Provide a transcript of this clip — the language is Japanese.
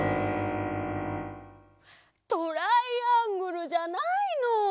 トライアングルじゃないの！